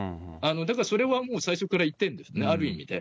だからそれはもう、最初から言ってるんですね、ある意味で。